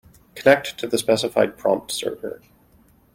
Connect to the specified prompt server.